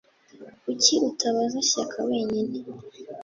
Kuki utabaza Shyaka wenyine